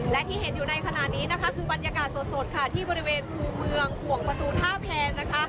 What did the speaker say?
และที่เห็นอยู่ในนี้ในบรรยากาศสดที่ประตูท่าแพทย์